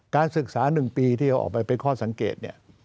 การศึกษา๑ปีที่เขาออกไปเป็นข้อสังเกตเนี่ย